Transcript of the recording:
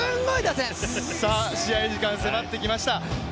試合時間が迫ってきました。